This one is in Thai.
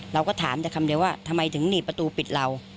เราก็ถามแต่คำเดียวว่าทำไมถึงหนีประตูปิดเรา